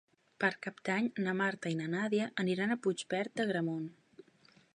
Per Cap d'Any na Marta i na Nàdia aniran a Puigverd d'Agramunt.